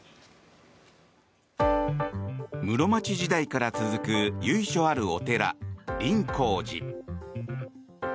室町時代から続く由緒あるお寺林香寺。